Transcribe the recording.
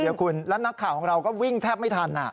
เดี๋ยวคุณแล้วนักข่าวของเราก็วิ่งแทบไม่ทัน